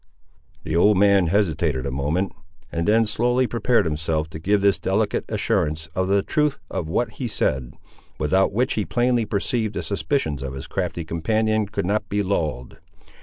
The old man hesitated a moment, and then slowly prepared himself to give this delicate assurance of the truth of what he said, without which he plainly perceived the suspicions of his crafty companion could not be lulled.